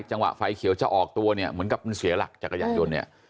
จังหวะไฟเขียวจะออกตัวเนี่ยเหมือนกับมันเสียหลักจักรยานยนต์เนี่ย